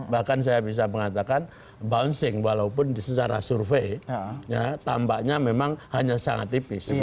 bahkan saya bisa mengatakan bouncing walaupun secara survei tampaknya memang hanya sangat tipis